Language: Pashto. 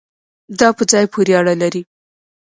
دا په ځای پورې اړه لري